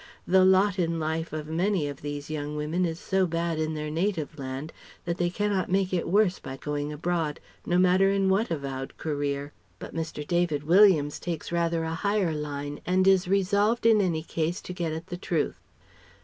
The lot in life of many of these young women is so bad in their native land that they cannot make it worse by going abroad, no matter in what avowed career. But Mr. David Williams takes rather a higher line and is resolved in any case to get at the Truth.